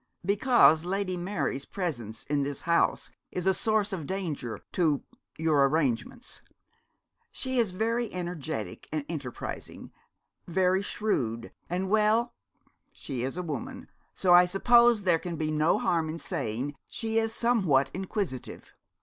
'Because Lady Mary's presence in this house is a source of danger to your arrangements. She is very energetic and enterprising very shrewd and well, she is a woman so I suppose there can be no harm in saying she is somewhat inquisitive.